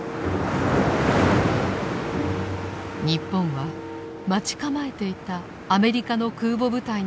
日本は待ち構えていたアメリカの空母部隊による攻撃を受けたのです。